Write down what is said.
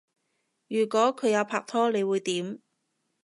如果佢有拍拖你會點？